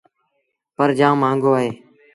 پر جآم مآݩگو اهي۔